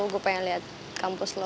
gue pengen liat kampus lu